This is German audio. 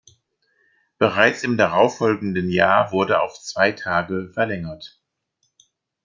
Bereits im darauffolgenden Jahr wurde auf zwei Tage verlängert.